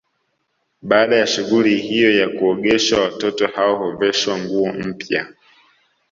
Baada ya shughuli hiyo ya kuogeshwa watoto hao huveshwa nguo mpya